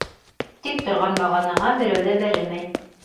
Тик торған бағанаға берәү ҙә бәрелмәй.